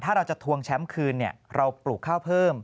ถ้าเราจะทวงแชมป์คืนเราปลูกข้าวเพิ่ม